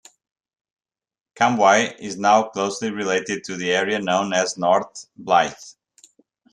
Cambois is now closely related to the area known as North Blyth.